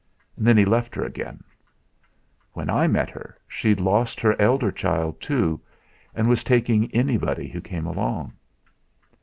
Then he left her again. When I met her she'd lost her elder child, too, and was taking anybody who came along."